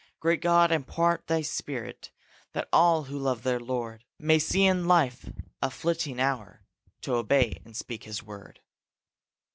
Great God, impart thy Spirit That all who love their Lord May see in life a flitting hour To obey and speak his word.